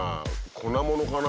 粉ものかな？